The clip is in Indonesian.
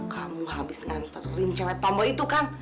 kamu habis nganterin cewek tombo itu kan